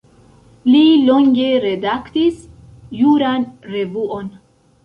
Li longe redaktis juran revuon.